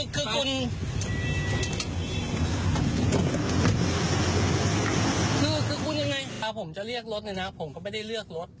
คือคุณยังไงผมจะเลือกรถเนี่ยนะผมก็ไม่ได้เลือกรถ